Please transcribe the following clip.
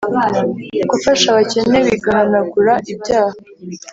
gufasha abakene bigahanagura ibyaha